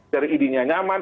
dari id nya nyaman